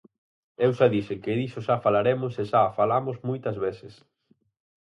Eu xa dixen que diso xa falaremos e xa falamos moitas veces.